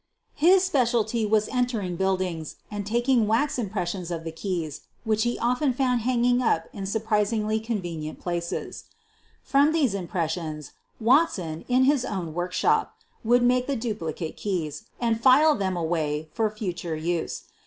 His specialty was en tering buildings and taking wax impressions of the key«^ which he often found hanging up in surpris xiigly convenient places. QUEEN OF THE BURGLARS 211 From these impressions Watson, in his own work shop, would make the duplicate keys and file them away for future use.